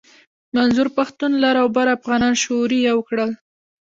منظور پښتون لر او بر افغانان شعوري يو کړل.